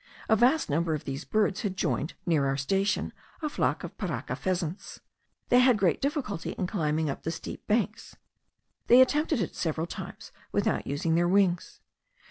A vast number of these birds had joined, near our station, a flock of parraka pheasants. They had great difficulty in climbing up the steep banks; they attempted it several times without using their wings.